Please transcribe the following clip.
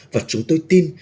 và chúng tôi tin